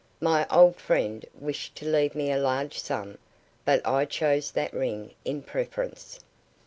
"My old friend wished to leave me a large sum, but I chose that ring in preference.